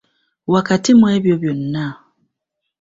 Wakati mu ebyo byonna